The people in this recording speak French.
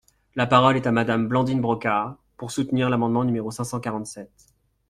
La parole est à Madame Blandine Brocard, pour soutenir l’amendement numéro cinq cent quarante-sept.